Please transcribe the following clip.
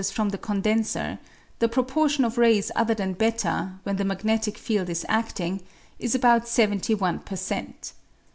from the condenser, the proportion of rays other than ;8, when the magnetic field is adting, is about 71 per cent.